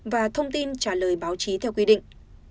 và thông tin trả lời báo chí theo quy định